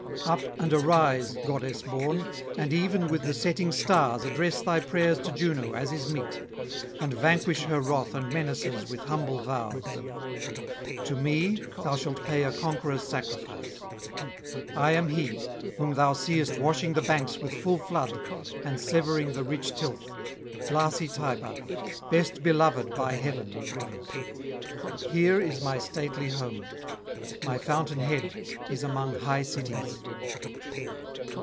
Up and arise, goddess born, and even with the setting stars address thy prayers to Juno as is meet, and vanquish her wrath and menaces with humble vows. To me thou shalt pay a conqueror's sacrifice. I am he whom thou seest washing the banks with full flood and severing the rich tilth, glassy Tiber, best beloved by heaven of rivers. Here is my stately home; my fountain head is among high cities.'